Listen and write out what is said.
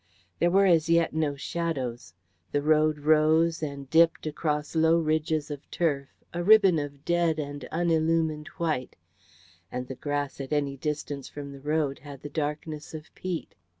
There were as yet no shadows; the road rose and dipped across low ridges of turf, a ribbon of dead and unillumined white; and the grass at any distance from the road had the darkness of peat.